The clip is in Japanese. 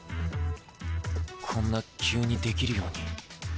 こんな急にできるように。